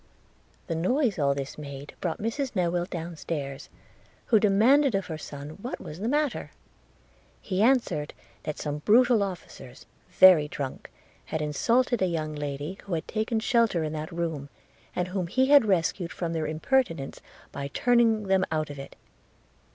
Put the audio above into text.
The noise all this made brought Mrs Newill down stairs, who demanded of her son what was the matter? He answered, that some brutal officers, very drunk, had insulted a young lady who had taken shelter in that room, and whom he had rescued from their impertinence by turning them out of it.